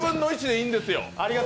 １０分の１でいいんですよ。